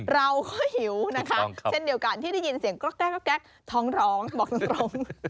เราก็หิวนะคะเช่นเดียวกันที่ได้ยินเสียงกรอกแก๊กท้องร้องบอกตรง